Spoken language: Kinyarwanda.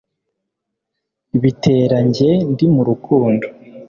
Bitera njye ndi mu rukundo